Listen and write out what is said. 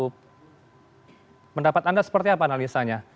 pendapat anda seperti apa analisanya